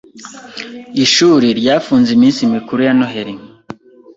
Ishuri ryafunze iminsi mikuru ya Noheri.